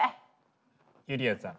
ゆりやんさん。